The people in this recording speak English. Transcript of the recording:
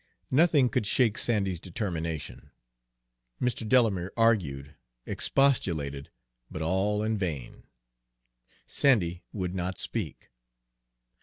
Nothing could shake Sandy's determination. Mr. Delamere argued, expostulated, but all in vain. Sandy would not speak.